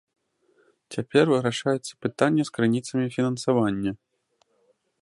Цяпер вырашаецца пытанне з крыніцамі фінансавання.